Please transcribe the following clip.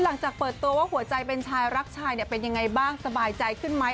หลังจากเปิดตัวว่าหัวใจเป็นชายรักชายเนี่ยเป็นยังไงบ้างสบายใจขึ้นไหม